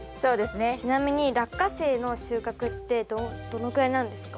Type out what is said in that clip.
ちなみにラッカセイの収穫ってどのくらいなんですか？